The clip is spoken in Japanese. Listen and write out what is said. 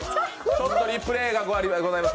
ちょっとリプレーがございます。